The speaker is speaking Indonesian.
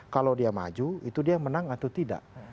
kalau dia maju itu dia menang atau tidak